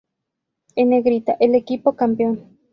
En negrita el equipo campeón.